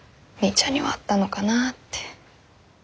ちゃんにはあったのかなって。